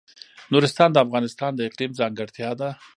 نورستان د افغانستان د اقلیم ځانګړتیا ده.